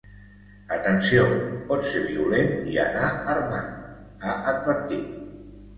“Atenció, pot ser violent i anar armat”, ha advertit.